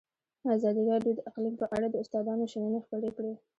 ازادي راډیو د اقلیم په اړه د استادانو شننې خپرې کړي.